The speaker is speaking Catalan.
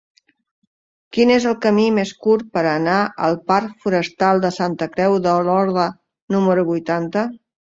Quin és el camí més curt per anar al parc Forestal de Santa Creu d'Olorda número vuitanta?